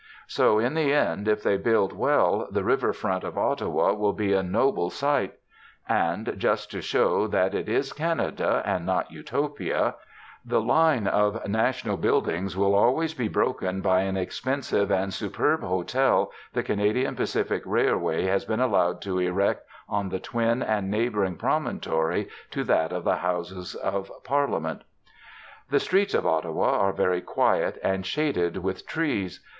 So, in the end, if they build well, the river front at Ottawa will be a noble sight. And just to show that it is Canada, and not Utopia the line of national buildings will always be broken by an expensive and superb hotel the Canadian Pacific Railway has been allowed to erect on the twin and neighbouring promontory to that of the Houses of Parliament. The streets of Ottawa are very quiet, and shaded with trees.